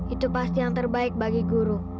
itu pasti yang terbaik bagi guru